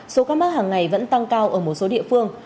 số ca mắc hàng ngày vẫn tăng cao ở một số địa phương